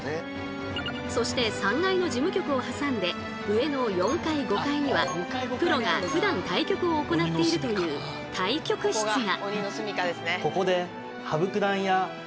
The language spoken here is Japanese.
そして３階の事務局を挟んで上の４階５階にはプロがふだん対局を行っているという対局室が。